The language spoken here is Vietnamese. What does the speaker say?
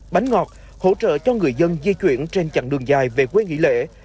bánh ngọt hỗ trợ cho người dân di chuyển trên chặng đường dài về quê nghỉ lễ